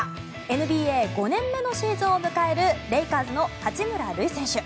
ＮＢＡ５年目のシーズンを迎えるレイカーズの八村塁選手。